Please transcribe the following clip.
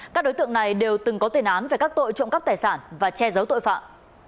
các đối tượng này đều từng có tên án về các tội trộm cắp tài sản và che giấu tội phạm